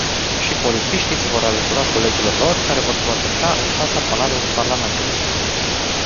Și polițiștii se vor alătura colegilor lor, care vor protesta în fața Palatului Parlamentului.